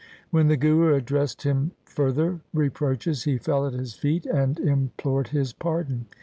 When the Guru addressed him further reproaches, he fell at his feet and im p'ored his pardon.